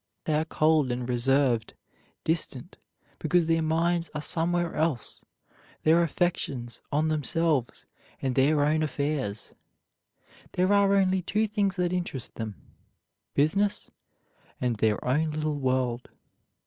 They are cold and reserved, distant, because their minds are somewhere else, their affections on themselves and their own affairs. There are only two things that interest them; business and their own little world.